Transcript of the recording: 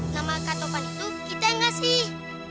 nama kak topan itu kita yang kasih